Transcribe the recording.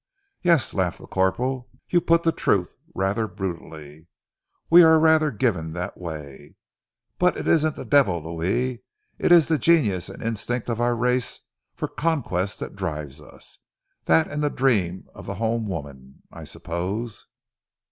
"Yes!" laughed the corporal. "You put the truth rather brutally. We are rather given that way. But it isn't the devil, Louis, it is the genius and instinct of our race for conquest that drives us that and the dream of the home woman, I suppose."